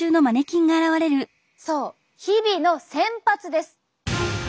そう日々の洗髪です！